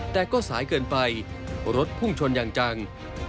แต่ก็สายเกินไปรถพุ่งชนอย่างจัง